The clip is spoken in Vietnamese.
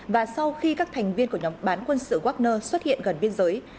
và sau khi các thành viên của nhóm bán quân sự wagner xuất hiện gần biên giới